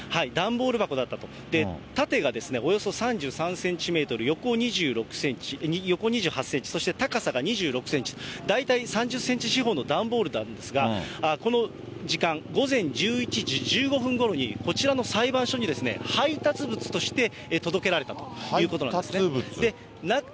縦がおよそ３３センチメートル、横２８センチそして高さが２６センチ、大体３０センチ四方の段ボールなんですが、この時間、午前１１時１５分ごろに、こちらの裁判所に配達物として届けられたということなんです。